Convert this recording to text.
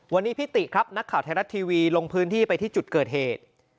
วันนี้พี่ติครับนักข่าวไทยรัฐทีวีลงพื้นที่ไปที่จุดเกิดเหตุ